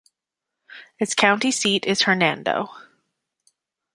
Its county seat is Hernando.